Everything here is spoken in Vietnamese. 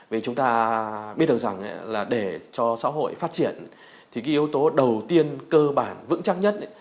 vì chúng ta biết được rằng là để cho xã hội phát triển thì cái yếu tố đầu tiên cơ bản vững chắc nhất